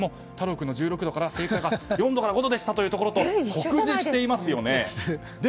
太郎君の正解の４度から１５度でしたというところと酷似していますよね。